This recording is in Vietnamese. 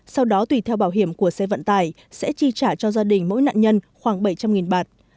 sau đó tùy theo bảo hiểm của xe vận tải sẽ chi trả cho gia đình mỗi nạn nhân khoảng bảy trăm linh bạt